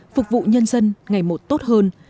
phục vụ nhân dân ngày một tốt hơn